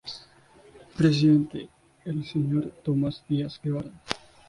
Presidente el Sr. Tomás Días Guevara.